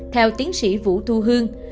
theo tiến sĩ vũ thu hương